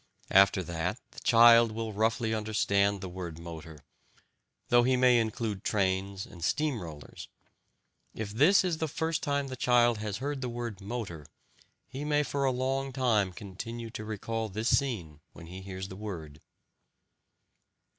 After that the child will roughly understand the word "motor," though he may include trains and steam rollers If this is the first time the child has heard the word "motor," he may for a long time continue to recall this scene when he hears the word.